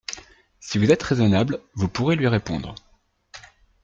Si vous êtes raisonnable, vous pourrez lui répondre.